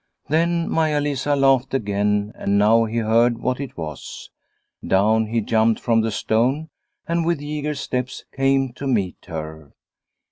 Then Maia Lisa laughed again and now he heard what it was. Down he jumped from the stone, and with eager steps came to meet her.